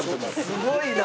すごいな！